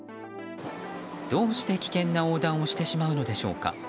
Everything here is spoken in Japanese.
どうして危険な横断をしてしまうのでしょうか。